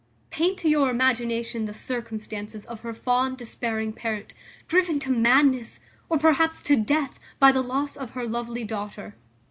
Paint to your imagination the circumstances of her fond despairing parent, driven to madness, or, perhaps, to death, by the loss of her lovely daughter.